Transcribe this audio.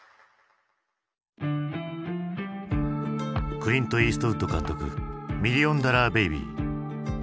クリント・イーストウッド監督「ミリオンダラー・ベイビー」。